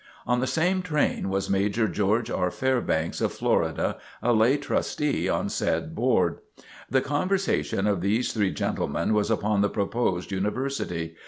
On the same train was Major George R. Fairbanks, of Florida, a lay Trustee on said Board. The conversation of these three gentlemen was upon the proposed University.